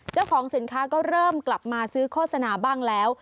เจ้าของสินค้าก็เริ่มกลับมาซื้อโฆษณาบ้างแล้ว